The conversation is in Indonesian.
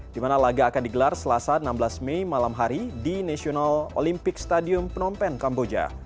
di mana laga akan digelar selasa enam belas mei malam hari di national olympic stadium phnom penh kamboja